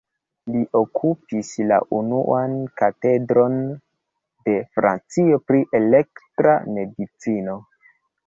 Li okupis la unuan katedron de Francio pri elektra medicino.